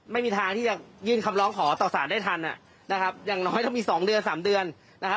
ไม่มีทางที่จะยื่นคำร้องขอต่อสารได้ทันนะครับอย่างน้อยต้องมีสองเดือนสามเดือนนะครับ